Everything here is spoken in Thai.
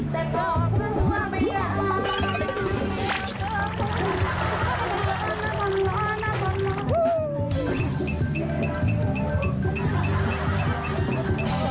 แต่ก็เพื่อนก็ไม่อยากลับ